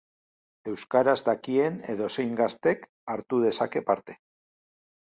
Euskaraz dakien edozein gaztek hartu dezake parte.